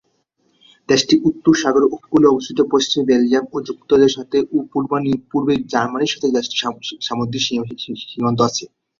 দেশটি উত্তর সাগরের উপকূলে অবস্থিত; পশ্চিমে বেলজিয়াম ও যুক্তরাজ্যের সাথে ও পূর্বে জার্মানির সাথে দেশটির সামুদ্রিক সীমান্ত আছে।